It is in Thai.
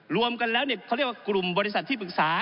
รวมกันแล้วเขาเรียกว่ากลุ่มบริษัทที่ปรึกษา